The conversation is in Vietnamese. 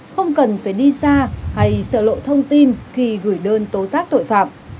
không cần phải đi xa hay sợ lộ thông tin khi gửi đơn tố giác tội phạm